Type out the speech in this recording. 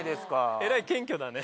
えらい謙虚だね。